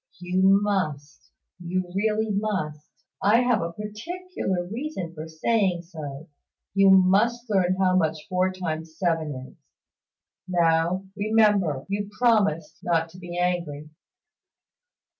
"You must you really must I have a particular reason for saying so you must learn how much four times seven is. Now, remember, you promised not to be angry."